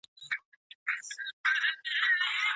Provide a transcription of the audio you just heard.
خفګان د ذهن کار کولو وړتیا کموي.